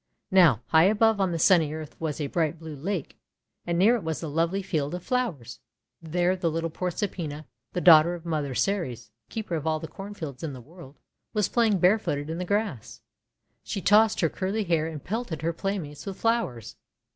Now, high above on the sunny earth was a bright blue lake, and near it was a lovely field of flowers. There little Proserpina, the daughter of Mother Ceres, Keeper of all the Cornfields in the World, was playing barefooted in the grass. She tossed her curly hair and pelted her play mates with flowers.